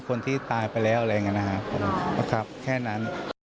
คนที่ตายไปแล้วอะไรอย่างนี้นะครับผมนะครับแค่นั้น